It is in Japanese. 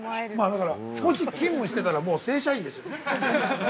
だから、もし勤務してたらもう正社員ですよね。